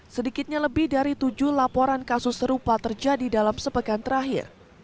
sedikitnya lebih dari tujuh laporan kasus serupa terjadi dalam sepekan terakhir